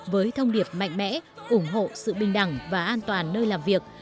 với thông điệp mạnh mẽ ủng hộ sự bình đẳng và an toàn nơi làm việc